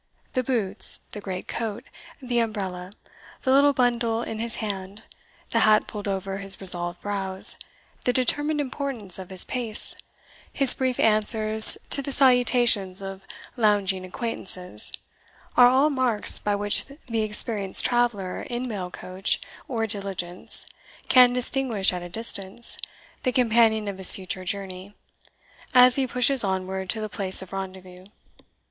The boots, the great coat, the umbrella, the little bundle in his hand, the hat pulled over his resolved brows, the determined importance of his pace, his brief answers to the salutations of lounging acquaintances, are all marks by which the experienced traveller in mail coach or diligence can distinguish, at a distance, the companion of his future journey, as he pushes onward to the place of rendezvous.